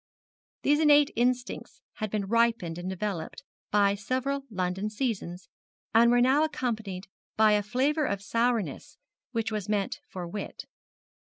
These innate instincts had been ripened and developed by several London seasons, and were now accompanied by a flavour of sourness which was meant for wit.